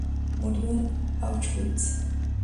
Murió en Auschwitz.